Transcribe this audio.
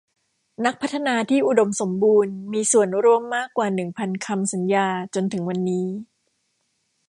นักพัฒนาที่อุดมสมบูรณ์มีส่วนร่วมมากกว่าหนึ่งพันคำสัญญาจนถึงวันนี้